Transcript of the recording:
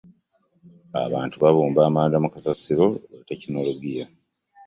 Abantu babumba amanda mu kasasiro lwa tekinologiya.